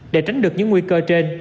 để tránh được những nguy cơ trên